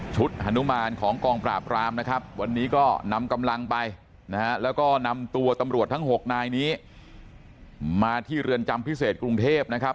ฮานุมานของกองปราบรามนะครับวันนี้ก็นำกำลังไปนะฮะแล้วก็นำตัวตำรวจทั้ง๖นายนี้มาที่เรือนจำพิเศษกรุงเทพนะครับ